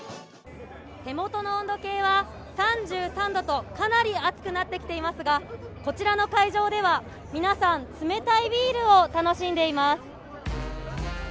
手元の温度計は３３度と、かなり暑くなってきていますが、こちらの会場では、皆さん、冷たいビールを楽しんでいます。